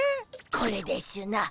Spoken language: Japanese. これでしゅな。